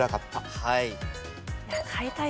はい。